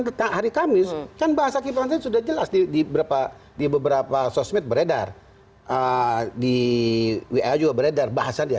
ke hari kamis kan bahasa sudah jelas di beberapa di beberapa sosmed beredar di wio beredar bahasa